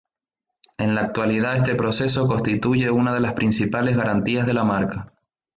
En la actualidad este proceso constituye una de las principales garantías de la marca.